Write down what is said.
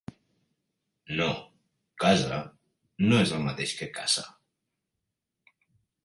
No, casa no és el mateix que caça